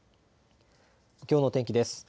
きょうの天気です。